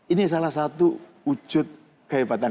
ini salah satu wujud kehebatan